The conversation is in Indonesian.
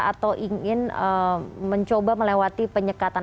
atau ingin mencoba melewati penyekatan